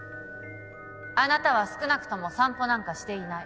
あなたは少なくとも散歩なんかしていない